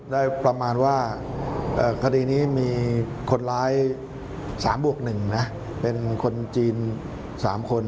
ได้ประมาณว่าคดีนี้มีคนร้าย๓บวก๑นะเป็นคนจีน๓คน